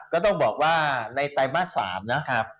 ก็ต้องบอกว่าในไตรมาส๓นะครับ